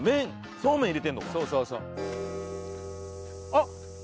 そうめん入れてるのか。